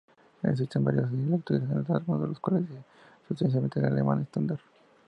Existen varios dialectos regionales, algunos de los cuales difieren sustancialmente del alemán estándar.